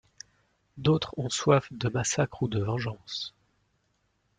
D'autres ont soif de massacre ou de vengeance.